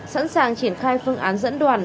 sẵn sàng triển khai phương án dẫn đoàn